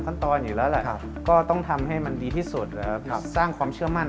อยู่แล้วแหละก็ต้องทำให้มันดีที่สุดนะครับสร้างความเชื่อมั่น